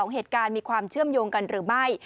เหตุการณ์มีความเชื่อมโยงกันหรือไม่